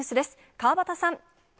川畑さん。